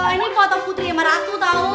ini foto putri sama ratu tau